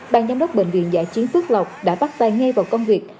ban giám đốc bệnh viện giả chiến phước lộc đã bắt tay ngay vào công việc